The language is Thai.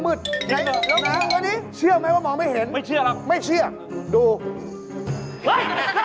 เห็นเหรอนะวันนี้เชื่อไหมว่ามองไม่เห็นไม่เชื่อดูเฮ้ย